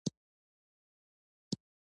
نفت د افغانستان د صادراتو برخه ده.